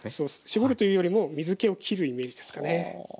絞るというよりも水けをきるイメージですかね。